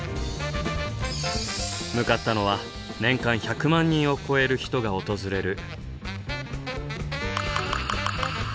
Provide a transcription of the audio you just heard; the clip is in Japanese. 向かったのは年間１００万人を超える人が訪れる。